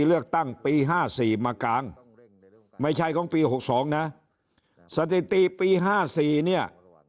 เลือกตั้งปีห้าสี่มากลางไม่ใช่ของปีหกสองนะสถิติปีห้าสี่เนี่ย